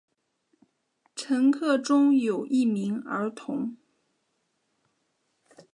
乘客中有一名儿童。